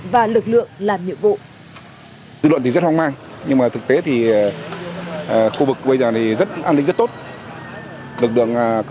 và lực lượng làm việc